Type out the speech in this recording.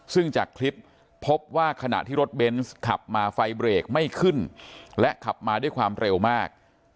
ซึ่งจากคลิปพบว่าขณะที่รถเบนส์ขับมาไฟเบรกไม่ขึ้นและขับมาด้วยความเร็วมาก